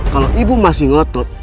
kalau ibu masih ngotot